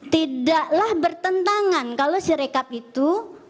tidaklah bertentangan kalau serekap itu